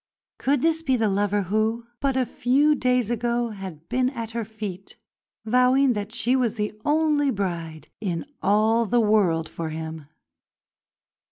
Could this be the lover who, but a few days ago, had been at her feet, vowing that she was the only bride in all the world for him?